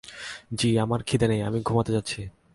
জি আমার খিদে নেই, আমি ঘুমাতে যাচ্ছি।